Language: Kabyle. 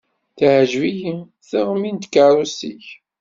Teɛǧeb-iyi teɣmi n tkeṛṛust-ik.